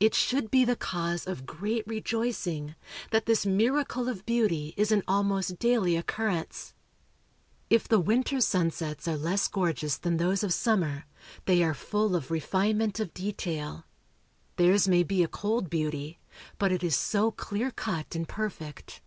It should be the cause of great rejoicing, that this miracle of beauty is an almost daily occurrence. If the winter sunsets are less gorgeous than those of summer, they are full of refinement of detail. Theirs may be a cold beauty, but it is so clear cut and perfect.